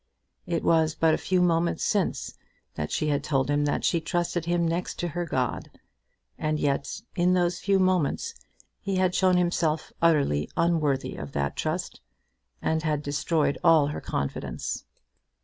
It was but a few moments since she had told him that she trusted him next to her God; and yet, in those few moments, he had shown himself utterly unworthy of that trust, and had destroyed all her confidence.